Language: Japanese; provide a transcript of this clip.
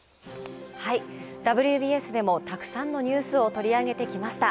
「ＷＢＳ」でもたくさんのニュースを取り上げてきました。